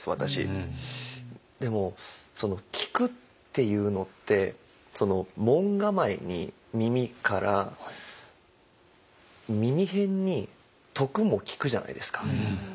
でも「聞く」っていうのって門構えに「耳」から耳偏に「徳」も「聴く」じゃないですか。